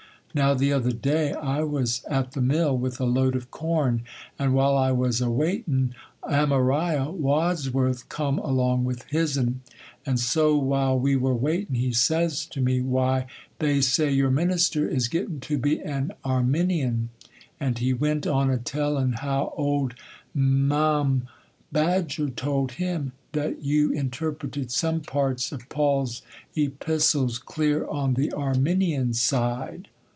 Now the other day I was at the mill with a load of corn, and while I was a waitin', Amariah Wadsworth come along with his'n; and so while we were waitin', he says to me, "Why, they say your minister is gettin' to be an Arminian;" and he went on a tellin' how old Ma'am Badger told him that you interpreted some parts of Paul's Epistles clear on the Arminian side.